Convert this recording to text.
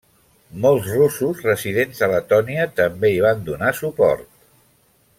Molts russos residents a Letònia també hi van donar suport.